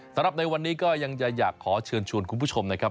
สำหรับในวันนี้ก็ยังจะอยากขอเชิญชวนคุณผู้ชมนะครับ